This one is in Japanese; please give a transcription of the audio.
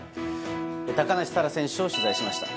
高梨沙羅選手を取材しました。